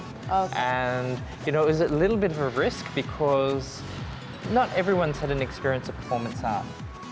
dan ini sedikit beresiko karena tidak semua orang pernah mengalami persembahan arti